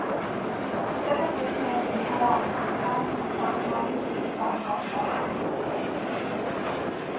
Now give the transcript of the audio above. Örökös nélküli haláluk után a szatmári ispán kapta ajándékba.